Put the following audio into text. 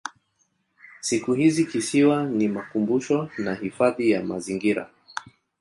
Siku hizi kisiwa ni makumbusho na hifadhi ya mazingira.